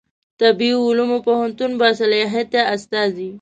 طبي علومو پوهنتون باصلاحیته استازی